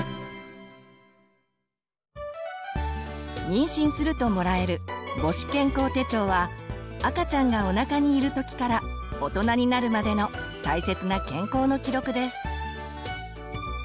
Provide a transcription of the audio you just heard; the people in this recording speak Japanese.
妊娠するともらえる母子健康手帳は赤ちゃんがおなかにいる時から大人になるまでの大切な健康の記録です。